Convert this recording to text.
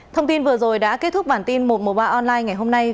thông tin vừa rồi đã kết thúc bản tin một m ba online ngày hôm nay